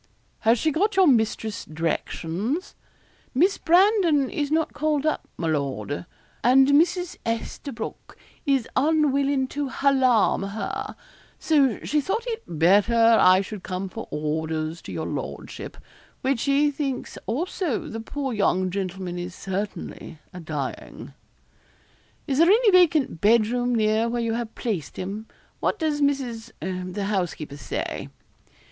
'Has she got your mistress's directions?' 'Miss Brandon is not called up, my lord, and Mrs. Esterbroke is unwillin' to halarm her; so she thought it better I should come for orders to your lordship; which she thinks also the poor young gentleman is certainly a dying.' 'Is there any vacant bed room near where you have placed him? What does Mrs. the housekeeper, say?'